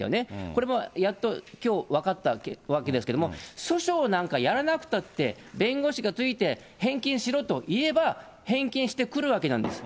これもやっときょう分かったわけですけれども、訴訟なんかやらなくたって、弁護士が付いて、返金しろと言えば、返金してくるわけなんです。